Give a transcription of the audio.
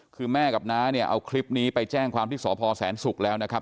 คือแม่กับน้าเนี่ยเอาคลิปนี้ไปแจ้งความที่สพแสนศุกร์แล้วนะครับ